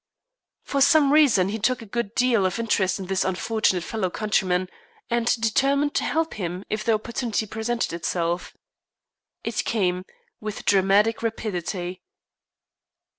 For some reason he took a good deal of interest in his unfortunate fellow countryman, and determined to help him if the opportunity presented itself. It came, with dramatic rapidity.